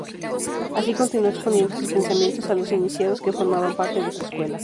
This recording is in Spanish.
Así continuó exponiendo su pensamiento a los iniciados que formaban parte de su escuela.